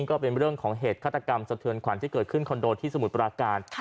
ก็เป็นเรื่องของเหตุฆาตกรรมสะเทือนขวัญที่เกิดขึ้นคอนโดที่สมุทรปราการ